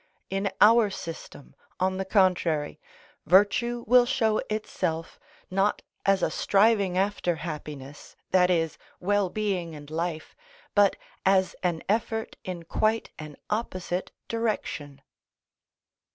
(79) In our system, on the contrary, virtue will show itself, not as a striving after happiness, that is, well being and life, but as an effort in quite an opposite direction.